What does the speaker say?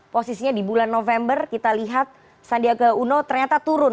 posisinya di bulan november kita lihat sandiaga uno ternyata turun